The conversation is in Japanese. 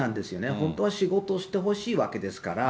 本当は仕事してほしいわけですから。